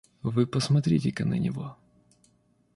Вы посмотрите-ка на него.